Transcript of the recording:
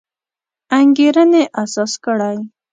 انګېرنې اساس کړی.